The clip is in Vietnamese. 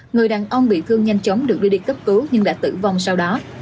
người đàn ông bị thương nhanh chóng được đưa đi cấp cứu nhưng đã tử vong sau đó